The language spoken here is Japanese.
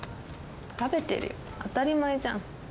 「食べてるよ当たり前じゃん」